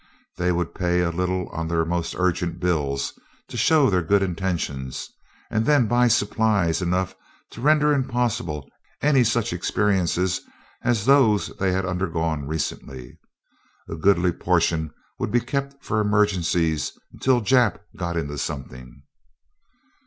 They would pay a little on their most urgent bills, to show their good intentions, and then buy supplies enough to render impossible any such experiences as those they had undergone recently. A goodly portion would be kept for emergencies until Jap got into something.